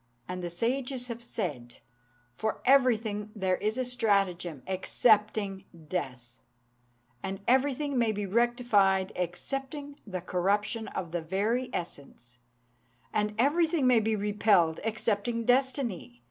And the sages have said, 'For everything there is a stratagem, excepting death; and everything may be rectified excepting the corruption of the very essence; and everything may be repelled excepting destiny.'